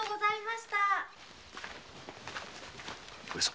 上様。